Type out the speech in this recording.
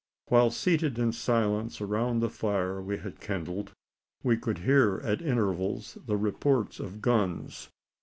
While seated in silence around the fire we had kindled, we could hear at intervals the reports of guns.